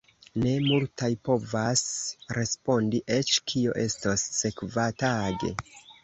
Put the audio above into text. Ne multaj povas respondi eĉ kio estos sekvatage.